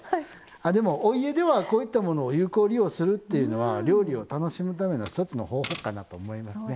あでもお家ではこういったものを有効利用するっていうのは料理を楽しむための一つの方法かなと思いますね。